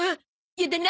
やだな！